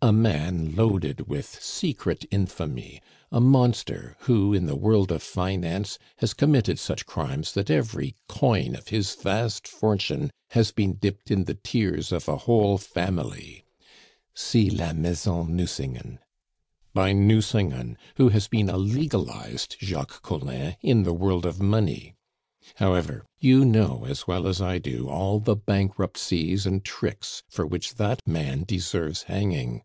A man loaded with secret infamy, a monster who, in the world of finance, has committed such crimes that every coin of his vast fortune has been dipped in the tears of a whole family [see la Maison Nucingen] by Nucingen, who has been a legalized Jacques Collin in the world of money. However, you know as well as I do all the bankruptcies and tricks for which that man deserves hanging.